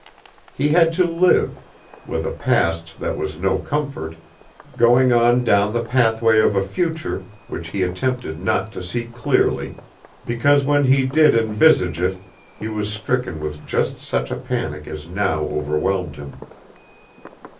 He had to live, with a past that was no comfort, going on down the pathway of a future which he attempted not to see clearly, because when he did envisage it he was stricken with just such a panic as now overwhelmed him.